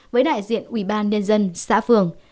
với đại diện ủy ban nhân dân xã phường